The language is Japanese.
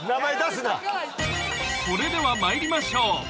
［それでは参りましょう］